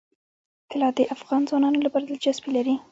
طلا د افغان ځوانانو لپاره دلچسپي لري.